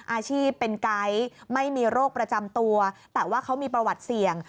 อาชีพเป็นไก๊ไม่มีโรคประจำตัวแต่ว่าเขามีประวัติเสี่ยง